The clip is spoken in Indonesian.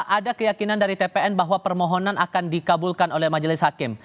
ada keyakinan dari tpn bahwa permohonan akan dikabulkan oleh majelis hakim